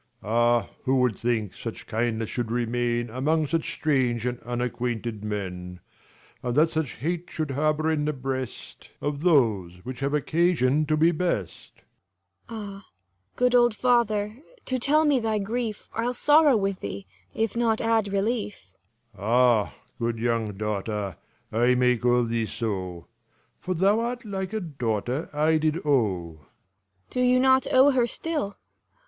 Ah, who would think such kindness should remain Among such strange and unacquainted men : 121 And that such hate should harbour in the breast Sc. iv] HIS THREE DAUGHTERS 89 Of those, which have occasion to be best ?| Cor. Ah, good old father, tell to me thy grief, I'll sorrow with thee, if not add relief. 1 2 5 Lelr. Ah, good young daughter, I may call thee so ; For thou art like a daughter I did owe. Cor. Do you not owe her still